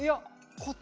こっち？